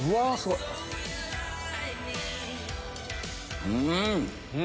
うん！